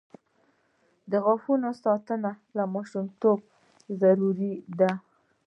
د غاښونو ساتنه له ماشومتوبه ضروري ده.